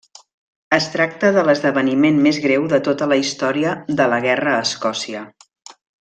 Es tracta de l'esdeveniment més greu de tota la història de la guerra a Escòcia.